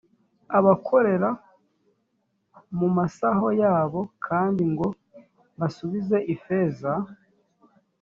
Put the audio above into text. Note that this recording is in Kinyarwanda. ubakorere mu masaho yabo kandi ngo basubize ifeza